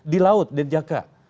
di laut denjaka